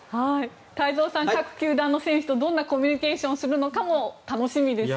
太蔵さん、各球団の選手とどんなふうにコミュニケーションを取るのかも楽しみですね。